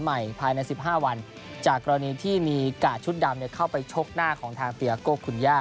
ใหม่ภายในสิบห้าวันจากกรณีที่มีกาดชุดดำเนี่ยเข้าไปโชคหน้าของทางเตียร์โกคคุณย่า